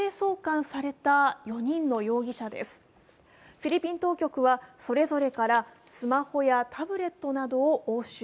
フィリピン当局はそれぞれからスマホやタブレットなどを押収。